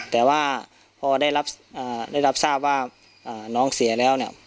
แต่ว่าพอได้รับทราบว่าน้องเสียแล้วเนี่ย